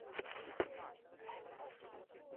参与民风乐府访美演唱会。